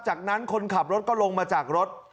จากนั้นคนขับรถก็ลงมาจากรถ